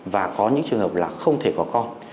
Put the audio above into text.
và có những trường hợp là không thể có con